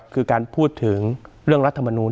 คือการพูดถึงเรื่องรัฐมนูล